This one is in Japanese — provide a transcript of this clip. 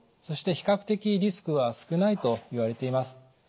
そして比較的リスクは少ないといわれています。